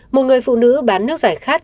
một người phụ nữ bán nước giải khát